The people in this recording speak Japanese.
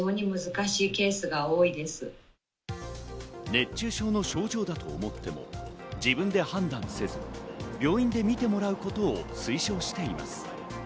熱中症の症状だと思っても自分で判断せず、病院で診てもらうことを推奨しています。